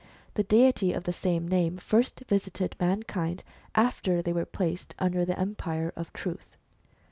The deity of the same name first visited mankind after they were placed under the empire of Truth.